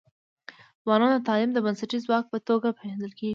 ځوانان د تعلیم د بنسټیز ځواک په توګه پېژندل کيږي.